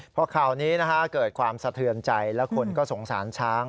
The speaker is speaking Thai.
พอข่าวนี้เกิดความสะเทือนใจและคนก็สงสารช้าง